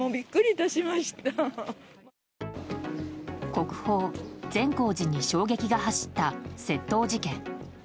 国宝・善光寺に衝撃が走った窃盗事件。